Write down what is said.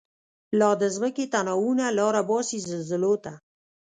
لا د مځکی تناوونه، لاره باسی زلزلوته